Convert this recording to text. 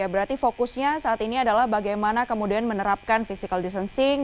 berarti fokusnya saat ini adalah bagaimana kemudian menerapkan physical distancing